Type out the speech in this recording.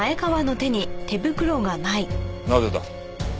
なぜだ？